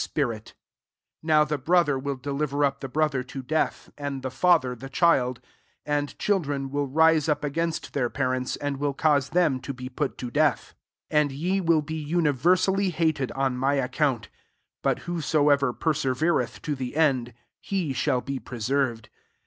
97 spirit U Now the brother will delJFerup the brother to death, and the &ther the child: and children will rise up against their parents, and will cause them to be put to death. 13 And ye will be universally hated on my account ; but who soever persevereth to the end, he shall be preserved.